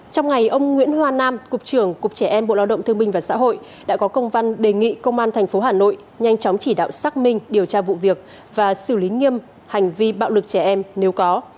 trong ngày ông nguyễn hoa nam cục trưởng cục trẻ em bộ lao động thương minh và xã hội đã có công văn đề nghị công an tp hà nội nhanh chóng chỉ đạo xác minh điều tra vụ việc và xử lý nghiêm hành vi bạo lực trẻ em nếu có